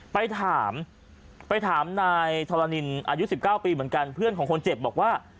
ไปถามไปถามนายธรณินอายุ๑๙ปีเหมือนกันเพื่อนของคนเจ็บบอกว่า